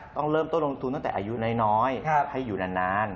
ต้องเริ่มต้นลงทุนตั้งแต่อายุน้อยให้อยู่นาน